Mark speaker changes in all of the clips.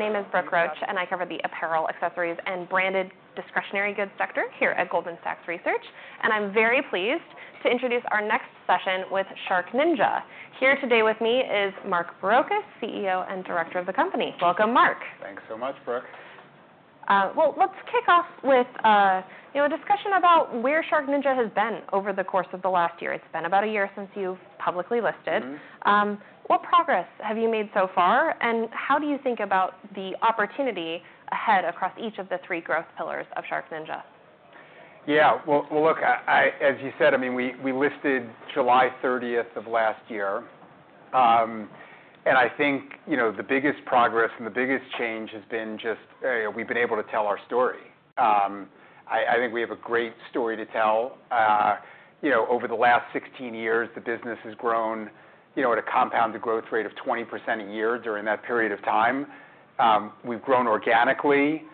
Speaker 1: My name is Brooke Roach, and I cover the apparel, accessories, and branded discretionary goods sector here at Goldman Sachs Research, and I'm very pleased to introduce our next session with SharkNinja. Here today with me is Mark Barrocas, CEO and Director of the company. Welcome, Mark.
Speaker 2: Thanks so much, Brooke.
Speaker 1: Well, let's kick off with, you know, a discussion about where SharkNinja has been over the course of the last year. It's been about a year since you've publicly listed. What progress have you made so far, and how do you think about the opportunity ahead across each of the three growth pillars of SharkNinja?
Speaker 2: Yeah, well, look, I as you said, I mean, we listed July 30th of last year. And I think, you know, the biggest progress and the biggest change has been just, we've been able to tell our story. I think we have a great story to tell. You know, over the last 16 years, the business has grown, you know, at a compounded growth rate of 20% a year during that period of time. We've grown organically.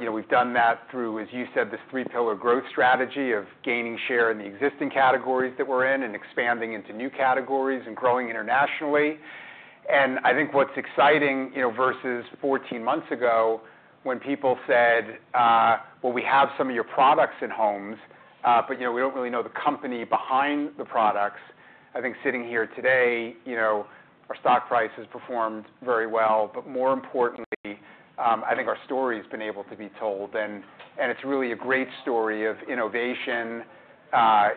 Speaker 2: You know, we've done that through, as you said, this three-pillar growth strategy of gaining share in the existing categories that we're in, and expanding into new categories, and growing internationally. I think what's exciting, you know, versus 14 months ago, when people said, "Well, we have some of your products in homes, but, you know, we don't really know the company behind the products," I think sitting here today, you know, our stock price has performed very well. But more importantly, I think our story's been able to be told, and it's really a great story of innovation,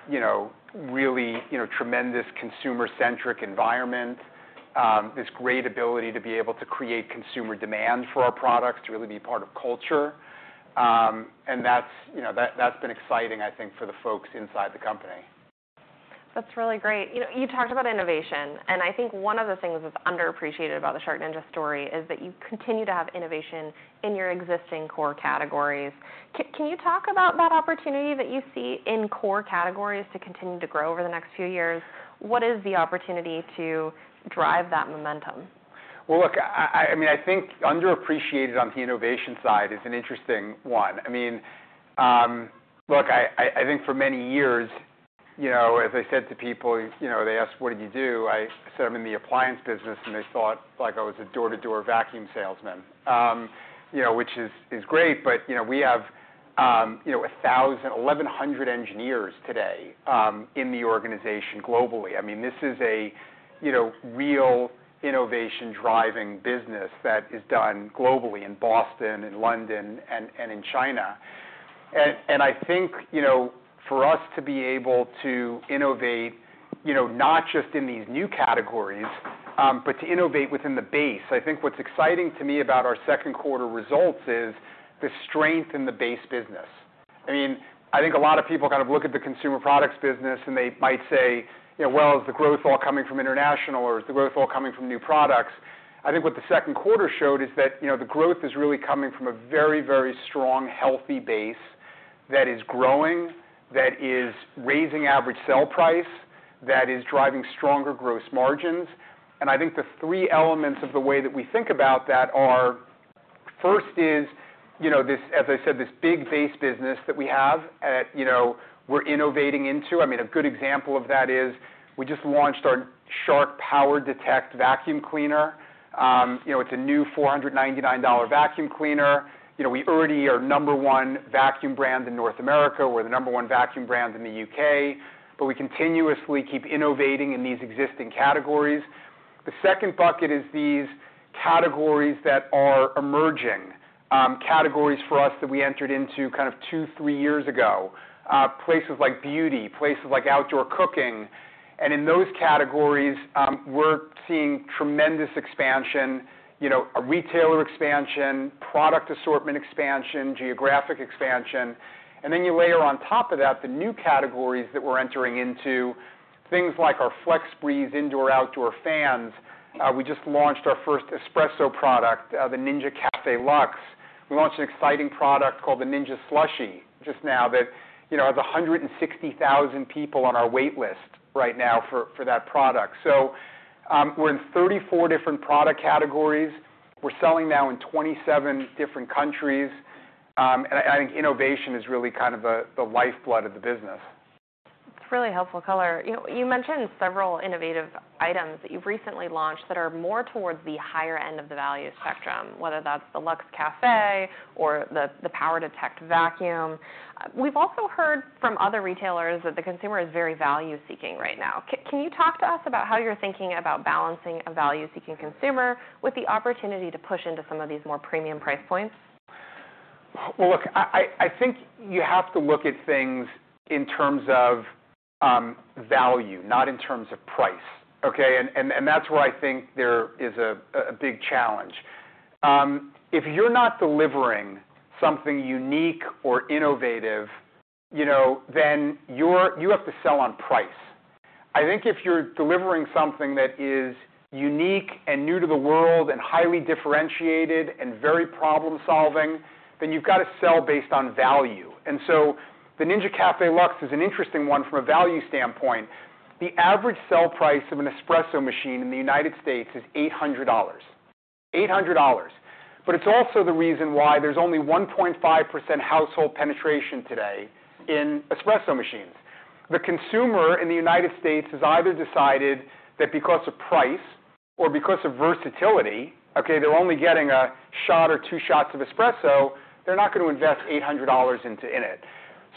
Speaker 2: you know, really, you know, tremendous consumer-centric environment. This great ability to be able to create consumer demand for our products, to really be part of culture. And that's, you know, that's been exciting, I think, for the folks inside the company.
Speaker 1: That's really great. You know, you talked about innovation, and I think one of the things that's underappreciated about the SharkNinja story is that you continue to have innovation in your existing core categories. Can you talk about that opportunity that you see in core categories to continue to grow over the next few years? What is the opportunity to drive that momentum?
Speaker 2: Look, I mean, I think underappreciated on the innovation side is an interesting one. I mean, look, I think for many years, you know, as I said to people, you know, they asked: "What did you do?" I said, "I'm in the appliance business," and they thought, like, I was a door-to-door vacuum salesman. You know, which is great, but, you know, we have 1,100 engineers today in the organization globally. I mean, this is a real innovation-driving business that is done globally, in Boston, in London, and in China. I think, you know, for us to be able to innovate, you know, not just in these new categories, but to innovate within the base. I think what's exciting to me about our second quarter results is the strength in the base business. I mean, I think a lot of people kind of look at the consumer products business, and they might say, "You know, well, is the growth all coming from international, or is the growth all coming from new products?" I think what the second quarter showed is that, you know, the growth is really coming from a very, very strong, healthy base that is growing, that is raising average sale price, that is driving stronger gross margins. And I think the three elements of the way that we think about that are, first is, you know, this, as I said, this big base business that we have at, you know, we're innovating into. I mean, a good example of that is we just launched our Shark PowerDetect vacuum cleaner. You know, it's a new $499 vacuum cleaner. You know, we already are number one vacuum brand in North America, we're the number one vacuum brand in the U.K., but we continuously keep innovating in these existing categories. The second bucket is these categories that are emerging, categories for us that we entered into kind of two, three years ago. Places like beauty, places like outdoor cooking, and in those categories, we're seeing tremendous expansion, you know, a retailer expansion, product assortment expansion, geographic expansion. And then you layer on top of that, the new categories that we're entering into, things like our FlexBreeze indoor-outdoor fans. We just launched our first espresso product, the Ninja Café Luxe. We launched an exciting product called the Ninja Slushi just now, that, you know, has 160,000 people on our wait list right now for that product. So, we're in 34 different product categories. We're selling now in 27 different countries. And I think innovation is really kind of the lifeblood of the business.
Speaker 1: That's really helpful color. You know, you mentioned several innovative items that you've recently launched that are more towards the higher end of the value spectrum, whether that's the Luxe Café or the PowerDetect vacuum. We've also heard from other retailers that the consumer is very value-seeking right now. Can you talk to us about how you're thinking about balancing a value-seeking consumer with the opportunity to push into some of these more premium price points?
Speaker 2: Look, I think you have to look at things in terms of value, not in terms of price, okay? And that's where I think there is a big challenge. If you're not delivering something unique or innovative, you know, then you have to sell on price. I think if you're delivering something that is unique, and new to the world, and highly differentiated, and very problem-solving, then you've got to sell based on value. And so the Ninja Café Luxe is an interesting one from a value standpoint. The average sale price of an espresso machine in the United States is $800. $800. But it's also the reason why there's only 1.5% household penetration today in espresso machines. The consumer in the United States has either decided that because of price or because of versatility, okay, they're only getting a shot or two shots of espresso, they're not going to invest $800 into in it.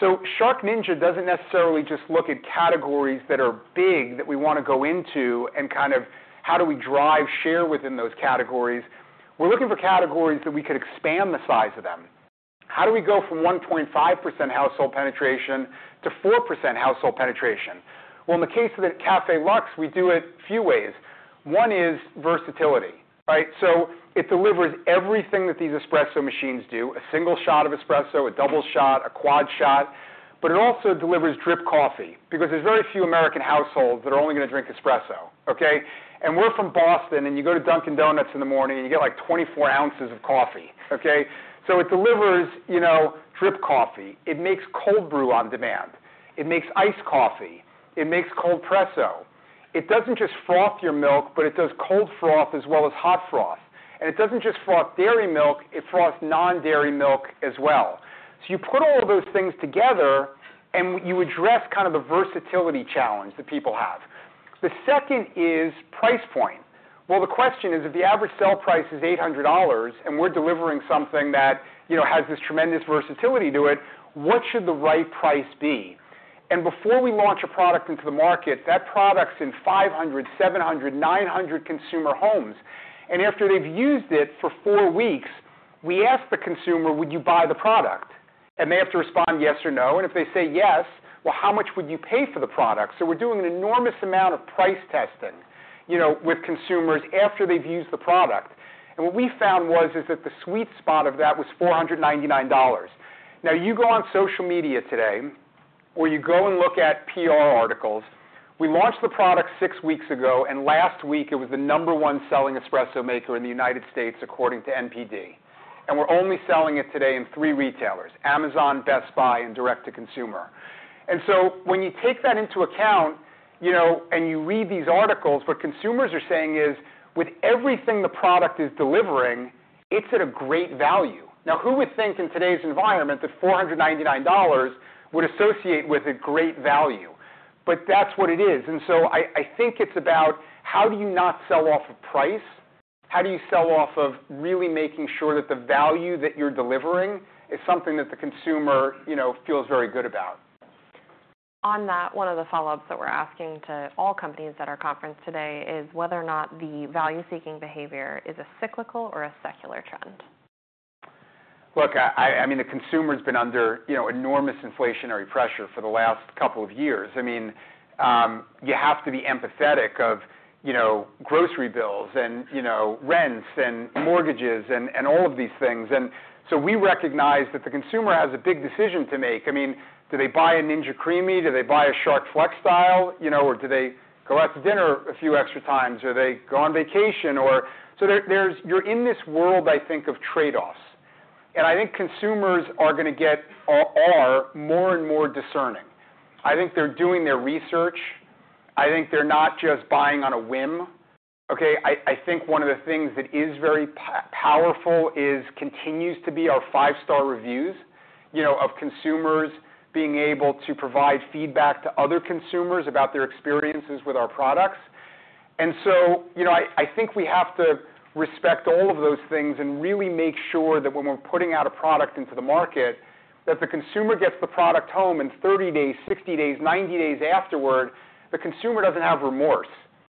Speaker 2: So SharkNinja doesn't necessarily just look at categories that are big that we want to go into and kind of how do we drive share within those categories? We're looking for categories that we could expand the size of them. How do we go from 1.5% household penetration to 4% household penetration? Well, in the case of the Café Luxe, we do it a few ways. One is versatility, right? So it delivers everything that these espresso machines do, a single shot of espresso, a double shot, a quad shot, but it also delivers drip coffee because there's very few American households that are only going to drink espresso, okay? And we're from Boston, and you go to Dunkin' Donuts in the morning, and you get, like, 24 ounces of coffee, okay? So it delivers, you know, drip coffee. It makes cold brew on demand. It makes iced coffee. It makes coldpresso. It doesn't just froth your milk, but it does cold froth as well as hot froth. And it doesn't just froth dairy milk, it froths non-dairy milk as well. So you put all of those things together, and you address kind of the versatility challenge that people have. The second is price point. The question is, if the average sale price is $800, and we're delivering something that, you know, has this tremendous versatility to it, what should the right price be? And before we launch a product into the market, that product's in 500, 700, 900 consumer homes, and after they've used it for four weeks, we ask the consumer, "Would you buy the product?" And they have to respond, yes or no. And if they say yes, "Well, how much would you pay for the product?" So we're doing an enormous amount of price testing, you know, with consumers after they've used the product. And what we found was that the sweet spot of that was $499. Now, you go on social media today, or you go and look at PR articles. We launched the product six weeks ago, and last week it was the number one selling espresso maker in the United States, according to NPD, and we're only selling it today in three retailers, Amazon, Best Buy, and direct to consumer. And so when you take that into account, you know, and you read these articles, what consumers are saying is, with everything the product is delivering, it's at a great value. Now, who would think in today's environment that $499 would associate with a great value? But that's what it is. And so I think it's about how do you not sell off of price? How do you sell off of really making sure that the value that you're delivering is something that the consumer, you know, feels very good about?
Speaker 1: On that, one of the follow-ups that we're asking to all companies at our conference today is whether or not the value-seeking behavior is a cyclical or a secular trend.
Speaker 2: Look, I mean, the consumer's been under, you know, enormous inflationary pressure for the last couple of years. I mean, you have to be empathetic of, you know, grocery bills and, you know, rents and mortgages and all of these things. And so we recognize that the consumer has a big decision to make. I mean, do they buy a Ninja CREAMi? Do they buy a Shark FlexStyle? You know, or do they go out to dinner a few extra times, or they go on vacation or... So you're in this world, I think, of trade-offs, and I think consumers are gonna get more and more discerning. I think they're doing their research. I think they're not just buying on a whim, okay? I think one of the things that is very powerful continues to be our five-star reviews, you know, of consumers being able to provide feedback to other consumers about their experiences with our products. And so, you know, I think we have to respect all of those things and really make sure that when we're putting out a product into the market, that the consumer gets the product home in 30 days, 60 days, 90 days afterward, the consumer doesn't have remorse.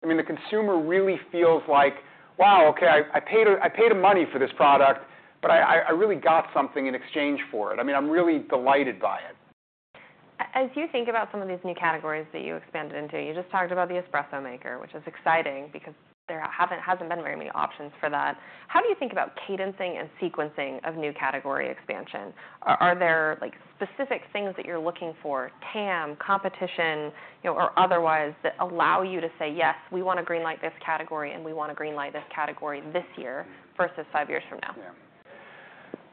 Speaker 2: I mean, the consumer really feels like: Wow, okay, I paid money for this product, but I really got something in exchange for it. I mean, I'm really delighted by it.
Speaker 1: As you think about some of these new categories that you expanded into, you just talked about the espresso maker, which is exciting because there hasn't been very many options for that. How do you think about cadencing and sequencing of new category expansion? Are there, like, specific things that you're looking for, TAM, competition, you know, or otherwise, that allow you to say: Yes, we want to green light this category, and we want to green light this category this year versus five years from now?
Speaker 2: Yeah.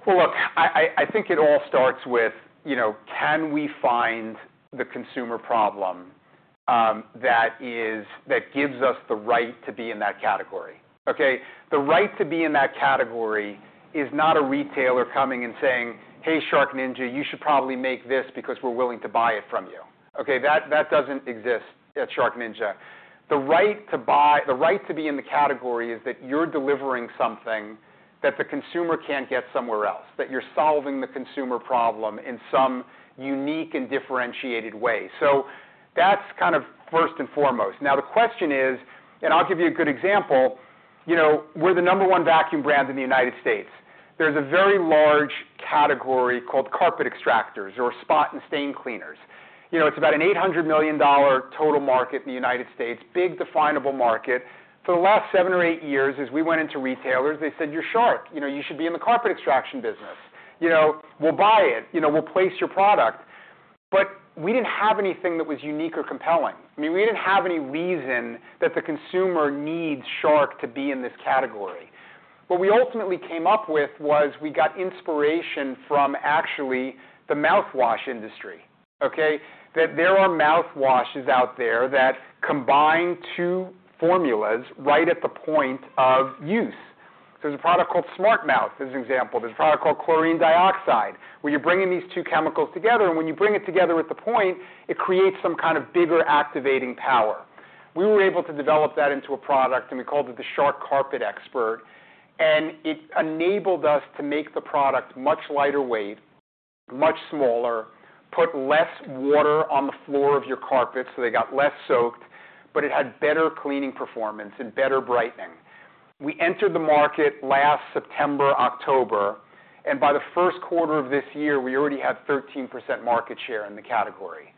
Speaker 2: Well, look, I think it all starts with, you know, can we find the consumer problem, that gives us the right to be in that category, okay? The right to be in that category is not a retailer coming and saying, "Hey, SharkNinja, you should probably make this because we're willing to buy it from you." Okay, that doesn't exist at SharkNinja. The right to be in the category is that you're delivering something that the consumer can't get somewhere else, that you're solving the consumer problem in some unique and differentiated way. So that's kind of first and foremost. Now, the question is, and I'll give you a good example, you know, we're the number one vacuum brand in the United States. There's a very large category called carpet extractors or spot and stain cleaners. You know, it's about an $800 million total market in the United States. Big, definable market. For the last seven or eight years, as we went into retailers, they said: You're Shark, you know, you should be in the carpet extraction business. You know, we'll buy it. You know, we'll place your product. But we didn't have anything that was unique or compelling. I mean, we didn't have any reason that the consumer needs Shark to be in this category. What we ultimately came up with was, we got inspiration from actually the mouthwash industry, okay? That there are mouthwashes out there that combine two formulas right at the point of use.... There's a product called SmartMouth, as an example. There's a product called Chlorine Dioxide, where you're bringing these two chemicals together, and when you bring it together at the point, it creates some kind of bigger activating power. We were able to develop that into a product, and we called it the Shark CarpetXpert, and it enabled us to make the product much lighter weight, much smaller, put less water on the floor of your carpet, so they got less soaked, but it had better cleaning performance and better brightening. We entered the market last September, October, and by the first quarter of this year, we already had 13% market share in the category.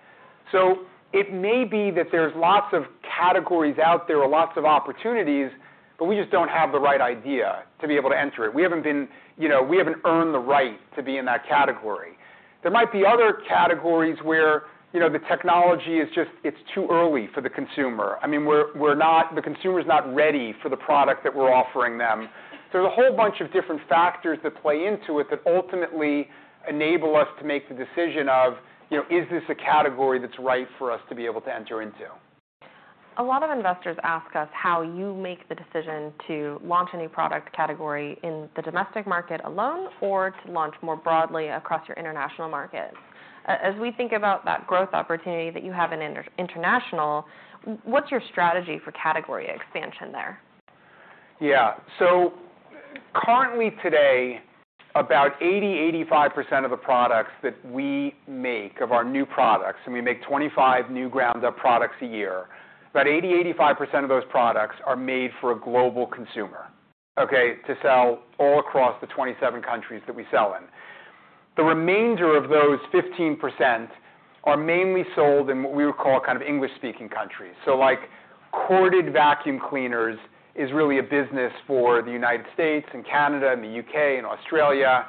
Speaker 2: So it may be that there's lots of categories out there or lots of opportunities, but we just don't have the right idea to be able to enter it. You know, we haven't earned the right to be in that category. There might be other categories where, you know, the technology is just, it's too early for the consumer. I mean, we're not. The consumer is not ready for the product that we're offering them. So there's a whole bunch of different factors that play into it, that ultimately enable us to make the decision of, you know, is this a category that's right for us to be able to enter into?
Speaker 1: A lot of investors ask us how you make the decision to launch a new product category in the domestic market alone, or to launch more broadly across your international markets. As we think about that growth opportunity that you have in international, what's your strategy for category expansion there?
Speaker 2: Yeah. So currently today, about 80-85% of the products that we make, of our new products, and we make 25 new ground-up products a year, about 80-85% of those products are made for a global consumer, okay? To sell all across the 27 countries that we sell in. The remainder of those 15% are mainly sold in what we would call kind of English-speaking countries. So, like, corded vacuum cleaners is really a business for the United States and Canada and the U.K. and Australia,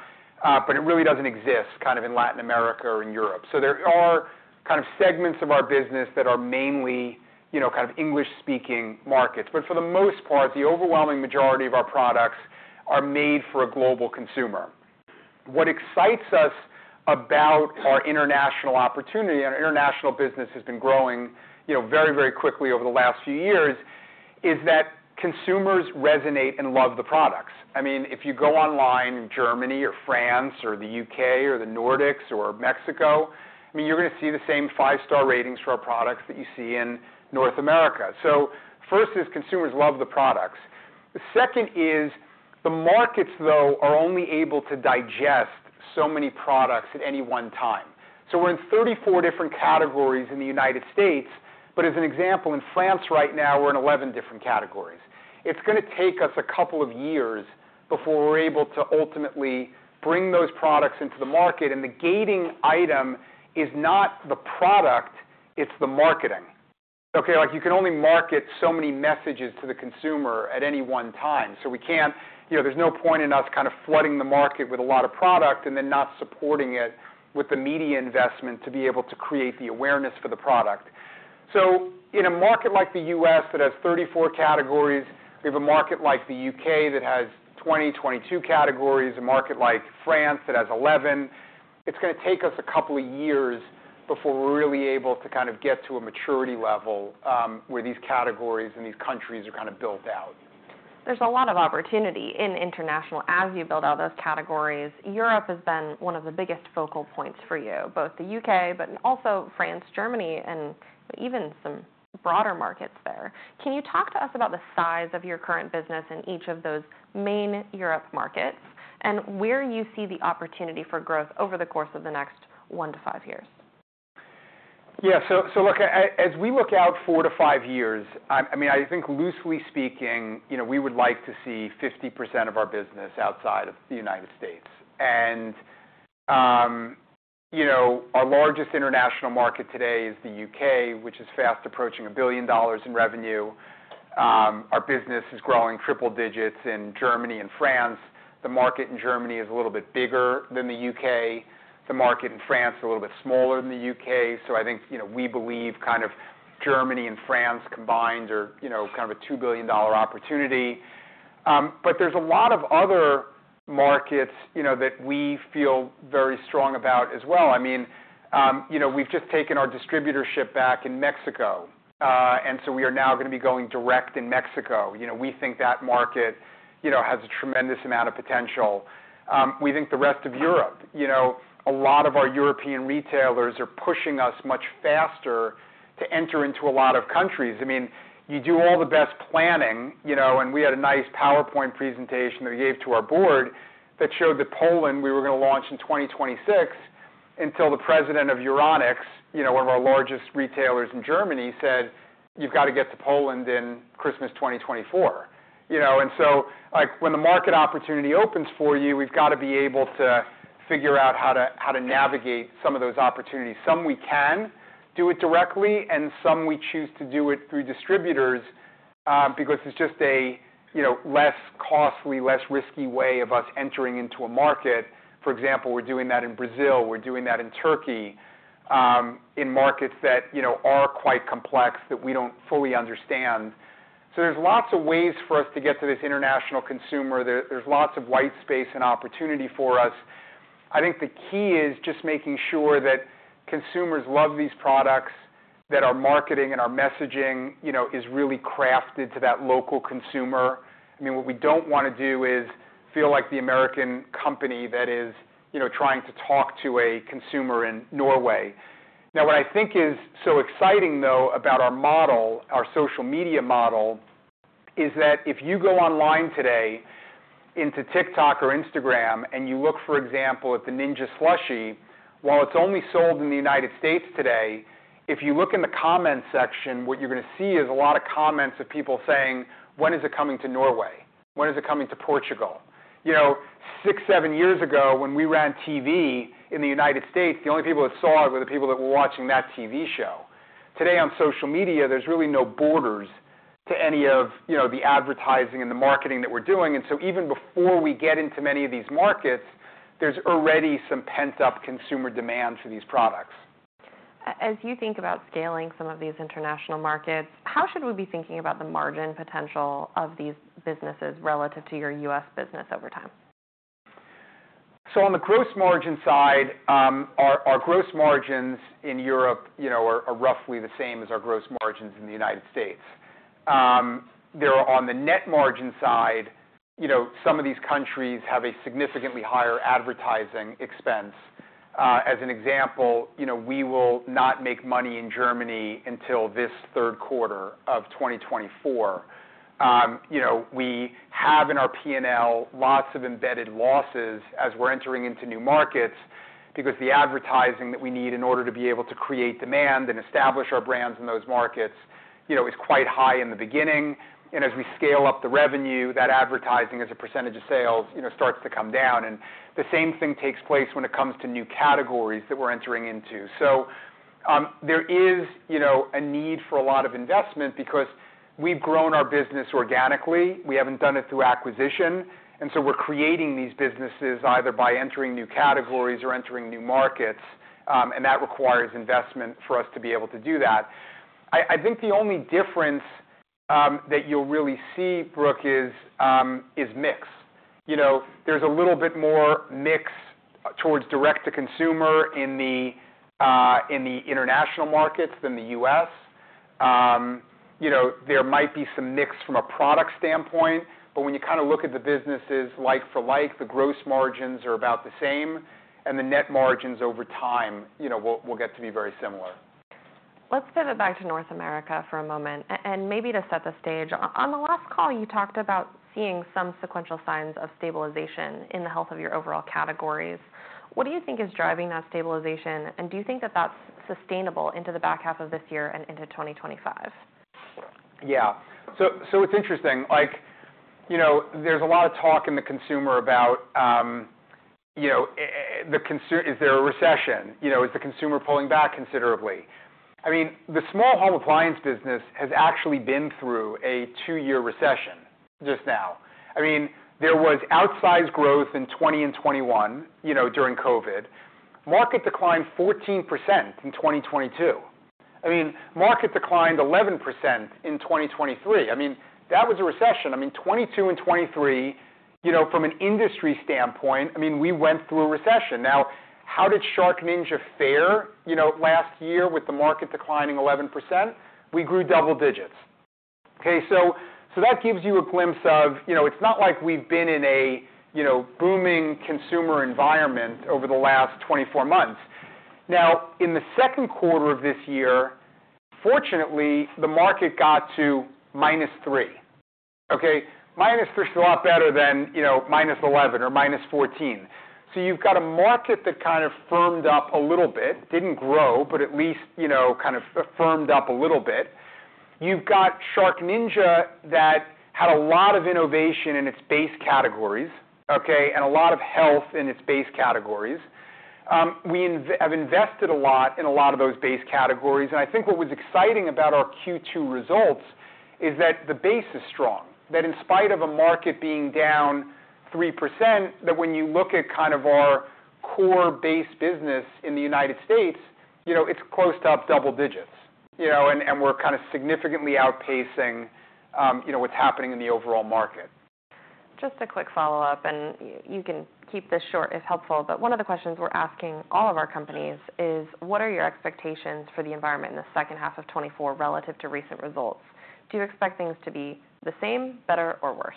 Speaker 2: but it really doesn't exist kind of in Latin America or in Europe. So there are kind of segments of our business that are mainly, you know, kind of English-speaking markets. But for the most part, the overwhelming majority of our products are made for a global consumer. What excites us about our international opportunity, and our international business has been growing, you know, very, very quickly over the last few years, is that consumers resonate and love the products. I mean, if you go online in Germany or France or the U.K. or the Nordics or Mexico, I mean, you're going to see the same five-star ratings for our products that you see in North America. So first is, consumers love the products. The second is, the markets, though, are only able to digest so many products at any one time. So we're in 34 different categories in the United States, but as an example, in France right now, we're in 11 different categories. It's gonna take us a couple of years before we're able to ultimately bring those products into the market, and the gating item is not the product, it's the marketing. Okay, like, you can only market so many messages to the consumer at any one time, so we can't, you know, there's no point in us kind of flooding the market with a lot of product and then not supporting it with the media investment to be able to create the awareness for the product. So in a market like the U.S., that has 34 categories, we have a market like the U.K. that has 20, 22 categories, a market like France that has 11. It's gonna take us a couple of years before we're really able to kind of get to a maturity level, where these categories and these countries are kind of built out.
Speaker 1: There's a lot of opportunity in international as you build out those categories. Europe has been one of the biggest focal points for you, both the U.K. but also France, Germany, and even some broader markets there. Can you talk to us about the size of your current business in each of those main Europe markets, and where you see the opportunity for growth over the course of the next one to five years?
Speaker 2: Yeah, so, so look, as we look out four to five years, I mean, I think loosely speaking, you know, we would like to see 50% of our business outside of the United States. And, you know, our largest international market today is the U.K., which is fast approaching $1 billion in revenue. Our business is growing triple digits in Germany and France. The market in Germany is a little bit bigger than the U.K. The market in France is a little bit smaller than the U.K. So I think, you know, we believe kind of Germany and France combined are, you know, kind of a $2 billion opportunity. But there's a lot of other markets, you know, that we feel very strong about as well. I mean, you know, we've just taken our distributorship back in Mexico, and so we are now gonna be going direct in Mexico. You know, we think that market, you know, has a tremendous amount of potential. We think the rest of Europe... You know, a lot of our European retailers are pushing us much faster to enter into a lot of countries. I mean, you do all the best planning, you know, and we had a nice PowerPoint presentation that we gave to our board, that showed that Poland, we were gonna launch in 2026, until the president of Euronics, you know, one of our largest retailers in Germany, said, "You've got to get to Poland in Christmas 2024." You know, and so, like, when the market opportunity opens for you, we've got to be able to figure out how to navigate some of those opportunities. Some we can do it directly, and some we choose to do it through distributors, because it's just a, you know, less costly, less risky way of us entering into a market. For example, we're doing that in Brazil, we're doing that in Turkey, in markets that, you know, are quite complex, that we don't fully understand. So there's lots of ways for us to get to this international consumer. There's lots of white space and opportunity for us. I think the key is just making sure that consumers love these products, that our marketing and our messaging, you know, is really crafted to that local consumer. I mean, what we don't want to do is feel like the American company that is, you know, trying to talk to a consumer in Norway. Now, what I think is so exciting, though, about our model, our social media model, is that if you go online today into TikTok or Instagram, and you look, for example, at the Ninja Slushi, while it's only sold in the United States today, if you look in the comment section, what you're gonna see is a lot of comments of people saying: "When is it coming to Norway? When is it coming to Portugal?" You know, six, seven years ago, when we ran TV in the United States, the only people that saw it were the people that were watching that TV show. Today, on social media, there's really no borders to any of, you know, the advertising and the marketing that we're doing, and so even before we get into many of these markets, there's already some pent-up consumer demand for these products.
Speaker 1: As you think about scaling some of these international markets, how should we be thinking about the margin potential of these businesses relative to your U.S. business over time?
Speaker 2: On the gross margin side, our gross margins in Europe, you know, are roughly the same as our gross margins in the United States. They're on the net margin side, you know, some of these countries have a significantly higher advertising expense. As an example, you know, we will not make money in Germany until this third quarter of 2024. You know, we have in our P&L lots of embedded losses as we're entering into new markets, because the advertising that we need in order to be able to create demand and establish our brands in those markets, you know, is quite high in the beginning, and as we scale up the revenue, that advertising, as a percentage of sales, you know, starts to come down. And the same thing takes place when it comes to new categories that we're entering into. So, there is, you know, a need for a lot of investment because we've grown our business organically. We haven't done it through acquisition, and so we're creating these businesses either by entering new categories or entering new markets, and that requires investment for us to be able to do that. I think the only difference that you'll really see, Brooke, is mix. You know, there's a little bit more mix towards direct to consumer in the international markets than the U.S. You know, there might be some mix from a product standpoint, but when you kind of look at the businesses like for like, the gross margins are about the same, and the net margins over time, you know, will get to be very similar.
Speaker 1: Let's pivot back to North America for a moment and maybe to set the stage. On the last call, you talked about seeing some sequential signs of stabilization in the health of your overall categories. What do you think is driving that stabilization? And do you think that that's sustainable into the back half of this year and into 2025?
Speaker 2: Yeah. So, so it's interesting. Like, you know, there's a lot of talk in the consumer about, is there a recession? You know, is the consumer pulling back considerably? I mean, the small home appliance business has actually been through a two-year recession just now. I mean, there was outsized growth in 2020 and 2021, you know, during COVID. The market declined 14% in 2022. I mean, the market declined 11% in 2023. I mean, that was a recession. I mean, 2022 and 2023, you know, from an industry standpoint, I mean, we went through a recession. Now, how did SharkNinja fare, you know, last year with the market declining 11%? We grew double digits, okay? So, so that gives you a glimpse of... You know, it's not like we've been in a, you know, booming consumer environment over the last 24 months. Now, in the second quarter of this year, fortunately, the market got to -3%, okay? -3% is a lot better than, you know, -11% or -14%. So you've got a market that kind of firmed up a little bit, didn't grow, but at least, you know, kind of firmed up a little bit. You've got SharkNinja that had a lot of innovation in its base categories, okay, and a lot of health in its base categories. We have invested a lot in a lot of those base categories, and I think what was exciting about our Q2 results is that the base is strong. That, in spite of a market being down 3%, when you look at kind of our core base business in the United States, you know, it's close to up double digits, you know, and we're kind of significantly outpacing, you know, what's happening in the overall market.
Speaker 1: Just a quick follow-up, and you can keep this short, it's helpful. But one of the questions we're asking all of our companies is, what are your expectations for the environment in the second half of 2024 relative to recent results? Do you expect things to be the same, better, or worse?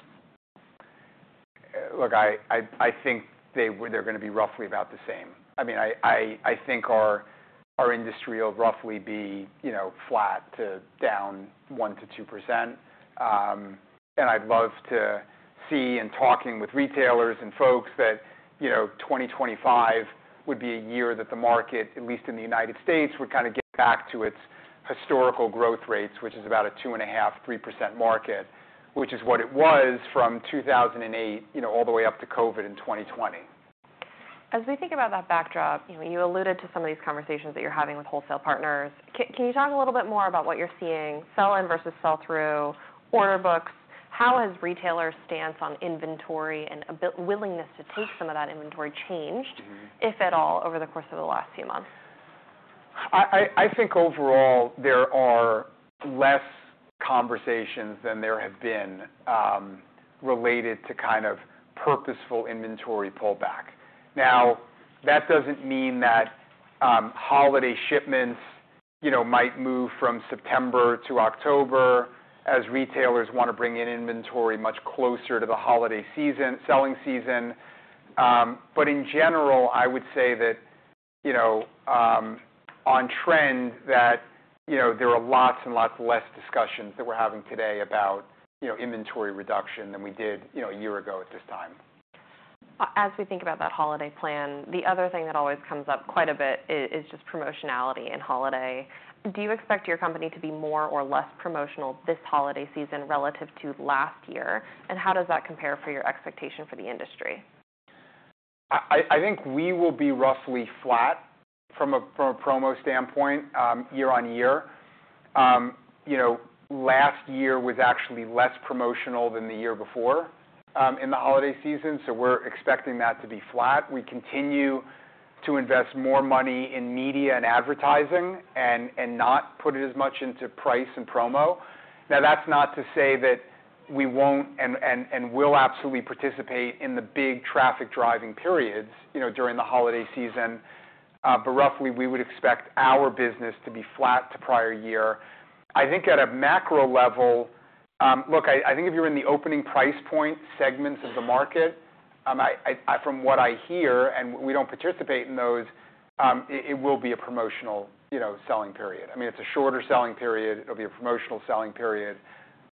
Speaker 2: Look, I think they're gonna be roughly about the same. I mean, I think our industry will roughly be, you know, flat to down 1-2%. I'd love to see, in talking with retailers and folks, that, you know, 2025 would be a year that the market, at least in the United States, would kind of get back to its historical growth rates, which is about a 2.5-3% market, which is what it was from 2008, you know, all the way up to COVID in 2020.
Speaker 1: As we think about that backdrop, you know, you alluded to some of these conversations that you're having with wholesale partners. Can you talk a little bit more about what you're seeing, sell-in versus sell-through, order books? How has retailers' stance on inventory and a bit willingness to take some of that inventory changed? If at all, over the course of the last few months?
Speaker 2: I think overall, there are less conversations than there have been, related to kind of purposeful inventory pullback. Now, that doesn't mean that, holiday shipments, you know, might move from September to October, as retailers want to bring in inventory much closer to the holiday season, selling season. But in general, I would say that, you know, on trend, that, you know, there are lots and lots less discussions that we're having today about, you know, inventory reduction than we did, you know, a year ago at this time.
Speaker 1: As we think about that holiday plan, the other thing that always comes up quite a bit is just promotionality in holiday. Do you expect your company to be more or less promotional this holiday season relative to last year? And how does that compare for your expectation for the industry?
Speaker 2: I think we will be roughly flat from a promo standpoint year-on-year. You know, last year was actually less promotional than the year before in the holiday season, so we're expecting that to be flat. We continue to invest more money in media and advertising and we'll absolutely participate in the big traffic driving periods, you know, during the holiday season, but roughly, we would expect our business to be flat to prior year. I think at a macro level, look, I think if you're in the opening price point segments of the market, from what I hear, and we don't participate in those, it will be a promotional, you know, selling period. I mean, it's a shorter selling period. It'll be a promotional selling period,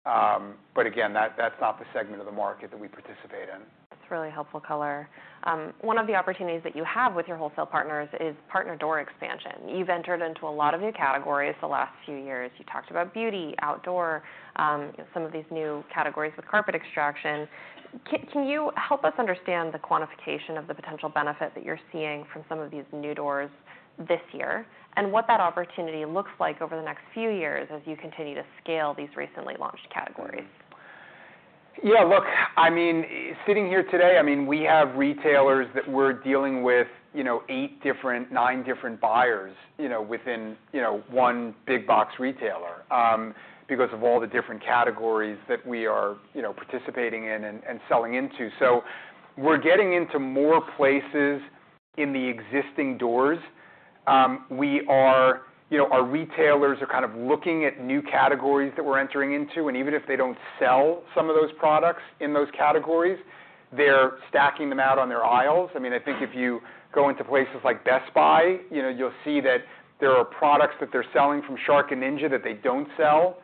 Speaker 2: but again, that's not the segment of the market that we participate in.
Speaker 1: That's really helpful color. One of the opportunities that you have with your wholesale partners is partner door expansion. You've entered into a lot of new categories the last few years. You talked about beauty, outdoor, some of these new categories with carpet extraction. Can you help us understand the quantification of the potential benefit that you're seeing from some of these new doors this year, and what that opportunity looks like over the next few years as you continue to scale these recently launched categories?
Speaker 2: Yeah, look, I mean, sitting here today, I mean, we have retailers that we're dealing with, you know, eight different, nine different buyers, you know, within, you know, one big box retailer, because of all the different categories that we are, you know, participating in and selling into. So we're getting into more places in the existing doors. We are. You know, our retailers are kind of looking at new categories that we're entering into, and even if they don't sell some of those products in those categories, they're stacking them out on their aisles. I mean, I think if you go into places like Best Buy, you know, you'll see that there are products that they're selling from Shark and Ninja that they don't sell,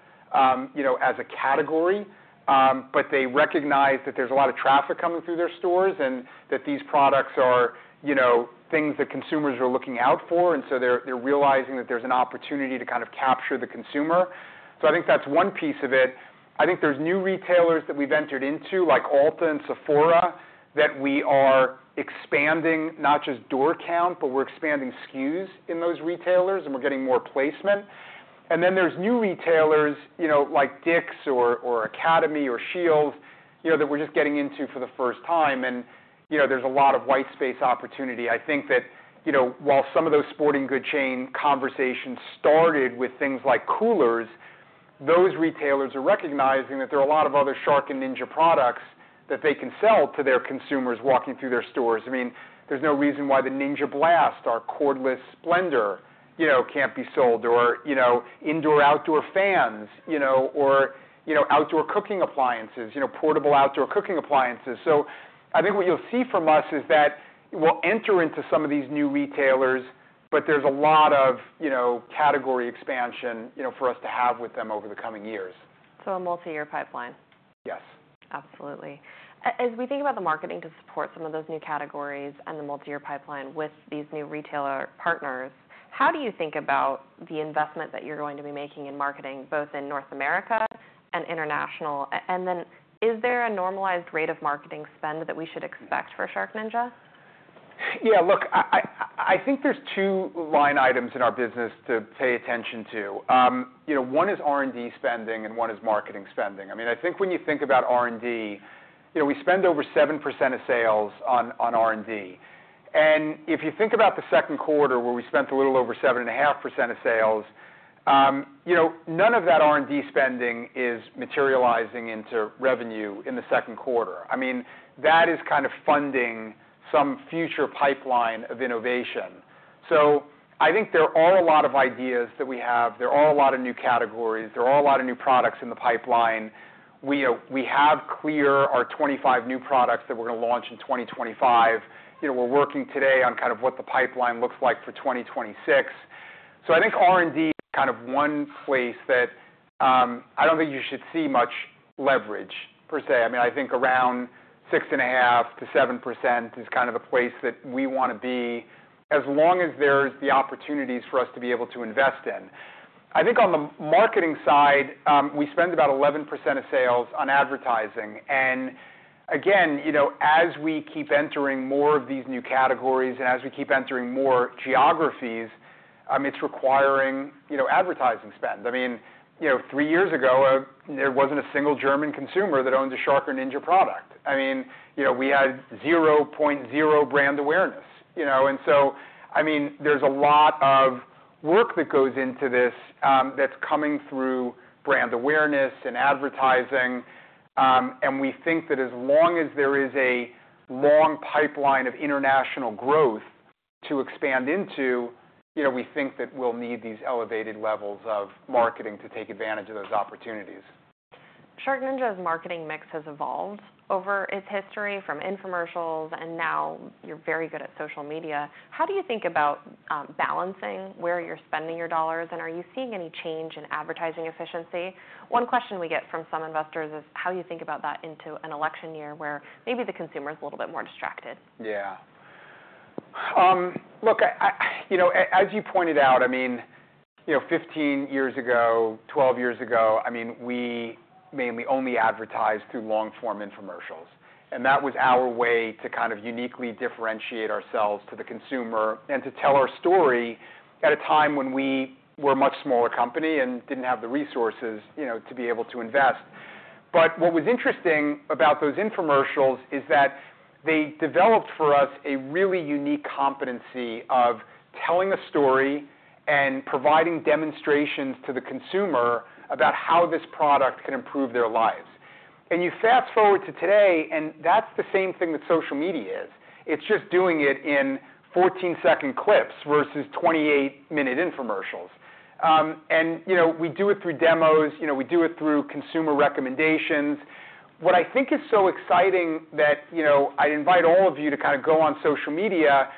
Speaker 2: you know, as a category. But they recognize that there's a lot of traffic coming through their stores, and that these products are, you know, things that consumers are looking out for, and so they're realizing that there's an opportunity to kind of capture the consumer. So I think that's one piece of it. I think there's new retailers that we've entered into, like Ulta and Sephora, that we are expanding, not just door count, but we're expanding SKUs in those retailers, and we're getting more placement. And then there's new retailers, you know, like Dick's or Academy or Scheels, you know, that we're just getting into for the first time, and, you know, there's a lot of white space opportunity. I think that, you know, while some of those sporting goods chain conversations started with things like coolers, those retailers are recognizing that there are a lot of other Shark and Ninja products that they can sell to their consumers walking through their stores. I mean, there's no reason why the Ninja Blast or Cordless Blender, you know, can't be sold or, you know, indoor-outdoor fans, you know, or, you know, outdoor cooking appliances, you know, portable outdoor cooking appliances. So I think what you'll see from us is that we'll enter into some of these new retailers, but there's a lot of, you know, category expansion, you know, for us to have with them over the coming years.
Speaker 1: So a multi-year pipeline?
Speaker 2: Yes.
Speaker 1: Absolutely. As we think about the marketing to support some of those new categories and the multi-year pipeline with these new retailer partners, how do you think about the investment that you're going to be making in marketing, both in North America and international? And then, is there a normalized rate of marketing spend that we should expect for SharkNinja?
Speaker 2: Yeah, look, I think there's two line items in our business to pay attention to. You know, one is R&D spending, and one is marketing spending. I mean, I think when you think about R&D, you know, we spend over 7% of sales on R&D. And if you think about the second quarter, where we spent a little over 7.5% of sales, you know, none of that R&D spending is materializing into revenue in the second quarter. I mean, that is kind of funding some future pipeline of innovation. So I think there are a lot of ideas that we have. There are a lot of new categories. There are a lot of new products in the pipeline. We have 25 new products that we're gonna launch in 2025. You know, we're working today on kind of what the pipeline looks like for 2026. So I think R&D is kind of one place that I don't think you should see much leverage per se. I mean, I think around 6.5%-7% is kind of the place that we wanna be, as long as there's the opportunities for us to be able to invest in. I think on the marketing side, we spend about 11% of sales on advertising, and again, you know, as we keep entering more of these new categories and as we keep entering more geographies, it's requiring, you know, advertising spend. I mean, you know, three years ago, there wasn't a single German consumer that owned a Shark or Ninja product. I mean, you know, we had 0.0 brand awareness, you know? And so, I mean, there's a lot of work that goes into this, that's coming through brand awareness and advertising. And we think that as long as there is a long pipeline of international growth to expand into, you know, we think that we'll need these elevated levels of marketing to take advantage of those opportunities.
Speaker 1: SharkNinja's marketing mix has evolved over its history, from infomercials, and now you're very good at social media. How do you think about balancing where you're spending your dollars, and are you seeing any change in advertising efficiency? One question we get from some investors is how you think about that into an election year, where maybe the consumer is a little bit more distracted.
Speaker 2: Yeah. Look, you know, as you pointed out, I mean, you know, 15 years ago, 12 years ago, I mean, we mainly only advertised through long-form infomercials, and that was our way to kind of uniquely differentiate ourselves to the consumer and to tell our story at a time when we were a much smaller company and didn't have the resources, you know, to be able to invest. But what was interesting about those infomercials is that they developed for us a really unique competency of telling a story and providing demonstrations to the consumer about how this product can improve their lives, and you fast-forward to today, and that's the same thing that social media is. It's just doing it in 14-second clips versus 28-minute infomercials, and, you know, we do it through demos, you know, we do it through consumer recommendations. What I think is so exciting that, you know, I'd invite all of you to kind of go on social media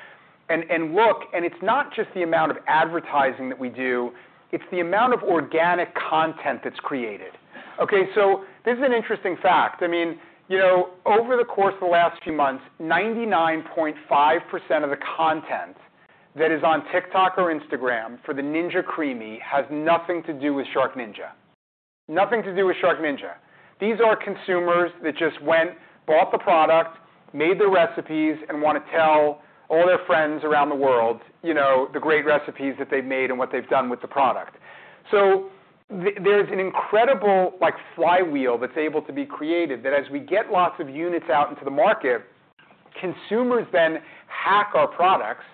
Speaker 2: and look, and it's not just the amount of advertising that we do, it's the amount of organic content that's created. Okay, so this is an interesting fact. I mean, you know, over the course of the last few months, 99.5% of the content that is on TikTok or Instagram for the Ninja CREAMi has nothing to do with SharkNinja. Nothing to do with SharkNinja. These are consumers that just went, bought the product, made the recipes, and want to tell all their friends around the world, you know, the great recipes that they've made and what they've done with the product. So there's an incredible like, flywheel that's able to be created, that as we get lots of units out into the market, consumers then hack our products.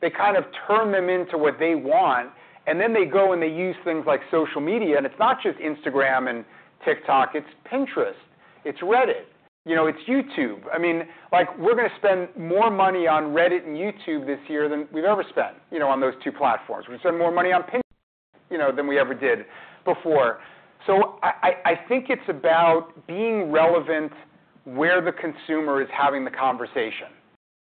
Speaker 2: They kind of turn them into what they want, and then they go and they use things like social media, and it's not just Instagram and TikTok, it's Pinterest, it's Reddit, you know, it's YouTube. I mean, like, we're gonna spend more money on Reddit and YouTube this year than we've ever spent, you know, on those two platforms. We're gonna spend more money on Pinterest, you know, than we ever did before. So I think it's about being relevant where the consumer is having the conversation,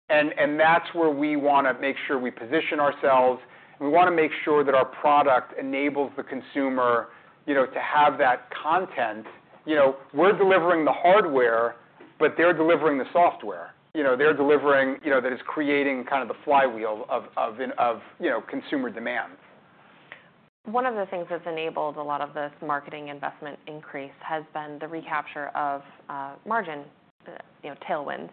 Speaker 2: and that's where we wanna make sure we position ourselves, and we wanna make sure that our product enables the consumer, you know, to have that content. You know, we're delivering the hardware, but they're delivering the software. You know, they're delivering. You know, that is creating kind of the flywheel of consumer demand.
Speaker 1: One of the things that's enabled a lot of this marketing investment increase has been the recapture of margin, you know, tailwinds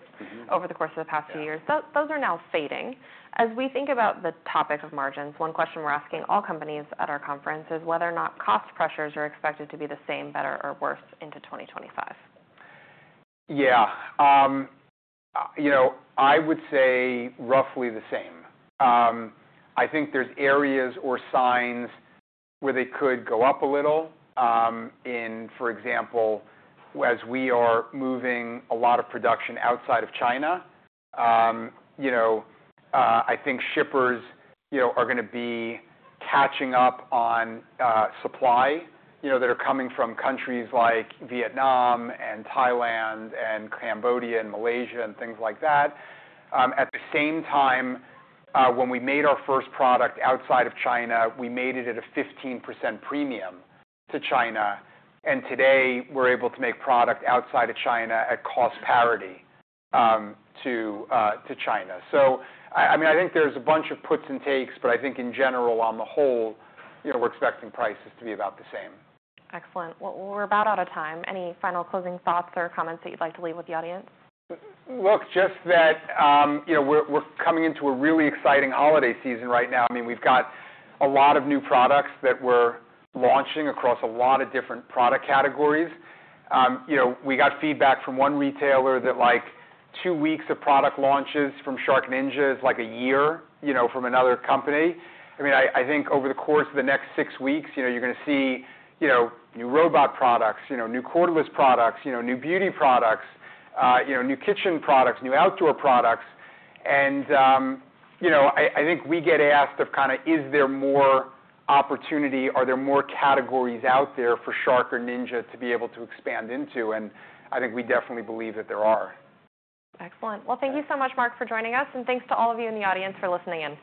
Speaker 1: over the course of the past few years. Those are now fading. As we think about the topic of margins, one question we're asking all companies at our conference is whether or not cost pressures are expected to be the same, better or worse into 2025?
Speaker 2: Yeah, you know, I would say roughly the same. I think there's areas or signs where they could go up a little. For example, as we are moving a lot of production outside of China, you know, I think shippers, you know, are gonna be catching up on supply, you know, that are coming from countries like Vietnam and Thailand and Cambodia and Malaysia, and things like that. At the same time, when we made our first product outside of China, we made it at a 15% premium to China, and today we're able to make product outside of China at cost parity to China. So I mean, I think there's a bunch of puts and takes, but I think in general, on the whole, you know, we're expecting prices to be about the same.
Speaker 1: Excellent. Well, we're about out of time. Any final closing thoughts or comments that you'd like to leave with the audience?
Speaker 2: Look, just that, you know, we're coming into a really exciting holiday season right now. I mean, we've got a lot of new products that we're launching across a lot of different product categories. You know, we got feedback from one retailer that, like, two weeks of product launches from SharkNinja is like a year, you know, from another company. I mean, I think over the course of the next six weeks, you know, you're gonna see, you know, new robot products, you know, new cordless products, you know, new beauty products, you know, new kitchen products, new outdoor products. And, you know, I think we get asked of kind of, Is there more opportunity? Are there more categories out there for Shark or Ninja to be able to expand into? And I think we definitely believe that there are.
Speaker 1: Excellent. Well, thank you so much, Mark, for joining us, and thanks to all of you in the audience for listening in.